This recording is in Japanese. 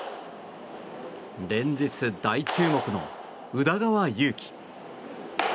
連日大注目の宇田川優希。